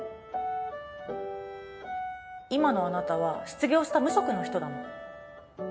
今のあなたは失業した無職の人だもん。